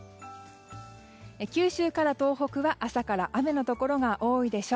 九州から東北は朝から雨のところが多いでしょう。